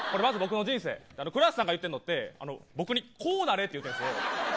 クラハシさんが言ってるのは僕にこうなれって言ってるんです。